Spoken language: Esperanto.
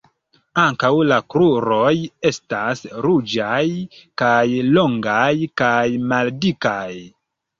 Ankaŭ la kruroj estas ruĝaj kaj longaj kaj maldikaj.